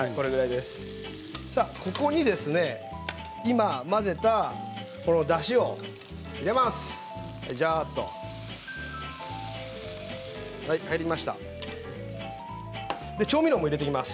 ここに今混ぜただしを入れます。